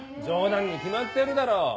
冗談に決まってるだろ。